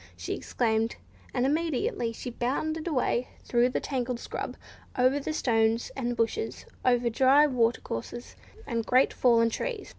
she exclaimed; and immediately she bounded away through the tangled scrub, over stones and bushes, over dry water courses and great fallen trees.